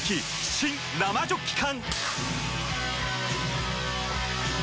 新・生ジョッキ缶！